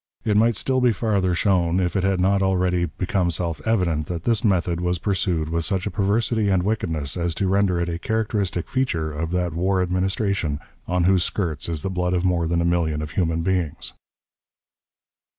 It might be still farther shown, if it had not already become self evident, that this method was pursued with such a perversity and wickedness as to render it a characteristic feature of that war administration on whose skirts is the blood of more than a million of human beings.